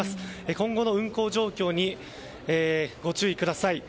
今後の運航状況にご注意ください。